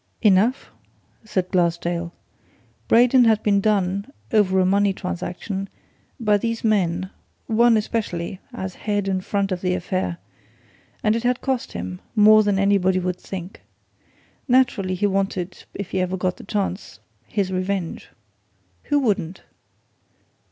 "Enough," said Glassdale. "Braden had been done over a money transaction by these men one especially, as head and front of the affair and it had cost him more than anybody would think! Naturally, he wanted if he ever got the chance his revenge. Who wouldn't?"